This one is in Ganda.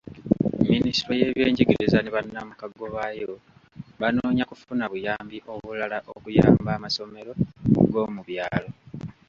Minisitule y'ebyenjigiriza ne bannamukago baayo banoonya kufuna buyambi obulala okuyamba amasomero g'omu byalo.